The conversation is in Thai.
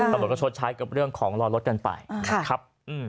ตำรวจก็ชดใช้กับเรื่องของรอรถกันไปนะครับ